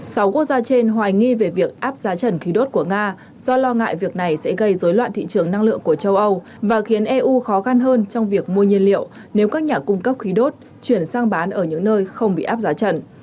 sáu quốc gia trên hoài nghi về việc áp giá trần khí đốt của nga do lo ngại việc này sẽ gây dối loạn thị trường năng lượng của châu âu và khiến eu khó khăn hơn trong việc mua nhiên liệu nếu các nhà cung cấp khí đốt chuyển sang bán ở những nơi không bị áp giá trần